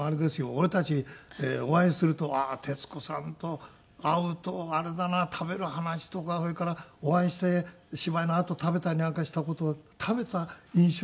俺たちお会いすると徹子さんと会うとあれだな食べる話とかそれからお会いして芝居のあと食べたりなんかした事食べた印象。